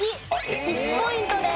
１ポイントです。